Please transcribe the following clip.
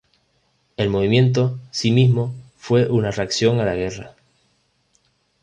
El movimiento sí mismo fue una reacción a la Guerra.